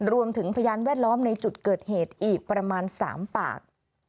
พยานแวดล้อมในจุดเกิดเหตุอีกประมาณ๓ปาก